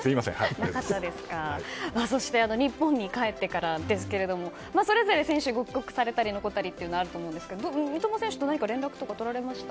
そして日本に帰ってからですがそれぞれ選手は帰国されたり残ったりとかあると思いますが三笘選手と何か連絡とられました。